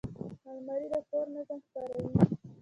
الماري د کور نظم ښکاروي